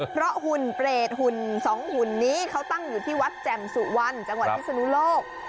เพราะหุ่นเปรตหุ่นสองหุ่นนี้เขาตั้งอยู่ที่วัดแจ่มสุวรรณจังหวัดพิศนุโลก